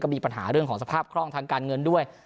มีปัญหาเรื่องของสภาพคล่องทางการเงินด้วย